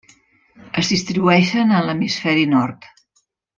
Es distribueixen en l'Hemisferi Nord.